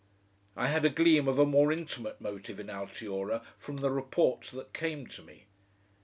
I had a gleam of a more intimate motive in Altiora from the reports that came to me.